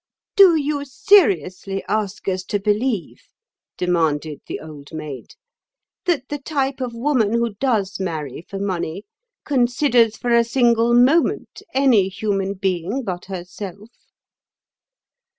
"Do you seriously ask us to believe," demanded the Old Maid, "that the type of woman who does marry for money considers for a single moment any human being but herself?"